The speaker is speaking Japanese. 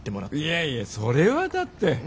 いやいやそれはだって。